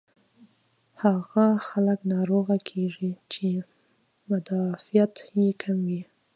هاغه خلک ناروغه کيږي چې مدافعت ئې کم وي